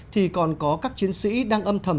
thì còn có các chiến sĩ đang âm thầm